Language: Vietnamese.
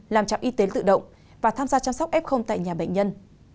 làm trạm y tế tự động và tham gia chăm sóc f tại nhà bệnh nhân